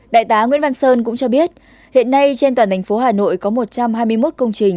đại tá nguyễn văn sơn cũng cho biết hiện nay trên toàn thành phố hà nội có một trăm hai mươi một công trình